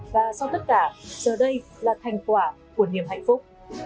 và sau tất cả giờ đây là thành quả của niềm hạnh phúc